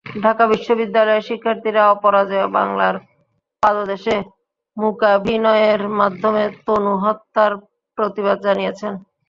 ঢাকা বিশ্ববিদ্যালয়ের শিক্ষার্থীরা অপরাজেয় বাংলার পাদদেশে মূকাভিনয়ের মাধ্যমে তনু হত্যার প্রতিবাদ জানিয়েছেন।